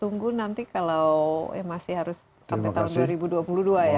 tunggu nanti kalau masih harus sampai tahun dua ribu dua puluh dua ya